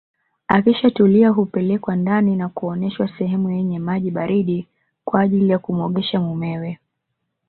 Akishatulia hupelekwa ndani na kuoneshwa sehemu yenye maji baridi kwa ajili ya kumuogesha mumewe